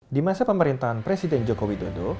di masa pemerintahan presiden jokowi dodo